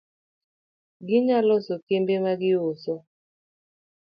Ginyalo loso kembe ma giuso